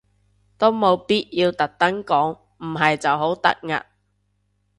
都冇咩必要特登講，唔係就好突兀